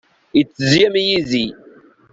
Ittezzi am yizi.